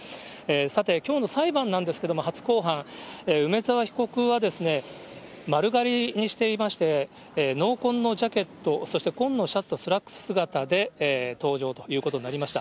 さて、きょうの裁判なんですけれども、初公判、梅沢被告は、丸刈りにしていまして、濃紺のジャケット、そして紺のシャツとスラックス姿で、登場ということになりました。